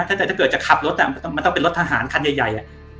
ถ้าเกิดจะขับรถมันต้องเป็นรถทหารคันใหญ่